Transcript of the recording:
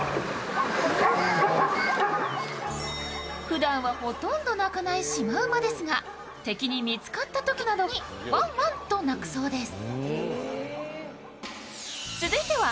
ふだんはほとんど鳴かないシマウマですが敵に見つかったときなどにワンワンと鳴くそうです。